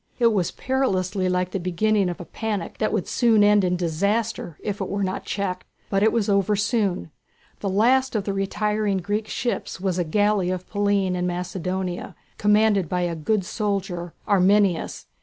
It was perilously like the beginning of a panic that would soon end in disaster if it were not checked. But it was soon over. The last of the retiring Greek ships was a galley of Pallene in Macedonia, commanded by a good soldier, Arminias.